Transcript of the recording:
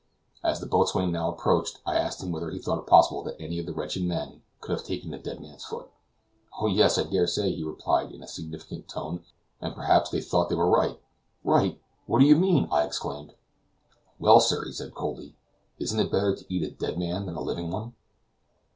As the boatswain now approached, I asked him whether he thought it possible that any of the wretched men could have taken the dead man's foot. "Oh, yes, I dare say," he replied in a significant tone, "and perhaps they thought they were right." "Right! what do you mean?" I exclaimed. "Well, sir," he said coldly, "isn't it better to eat a dead man than a living one?"